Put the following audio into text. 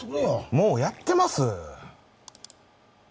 もうやってます！